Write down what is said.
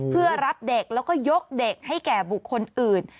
เพื่อรับเด็กแล้วก็ยกเด็กให้แก่บุคคลอื่น